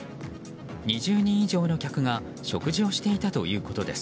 ２０人以上の客が食事をしていたということです。